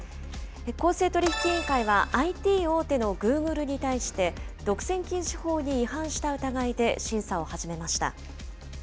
公正取引委員会は、ＩＴ大手のグーグルに対して、独占禁止法に違反した疑いで審査を始めました。